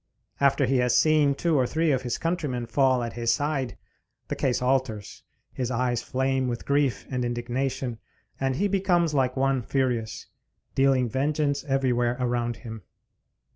After he has seen two or three of his countrymen fall at his side, the case alters. His eyes flame with grief and indignation, and he becomes like one furious, dealing vengeance everywhere around him.